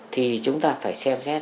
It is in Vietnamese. thì chúng ta phải xem xét